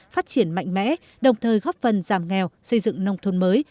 phát triển mạnh mẽ đồng thời góp phần giảm nghèo xây dựng nông thôn mới